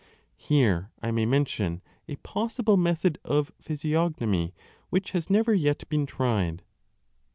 , Here I may mention a possible method of physiognomy which has never yet been tried.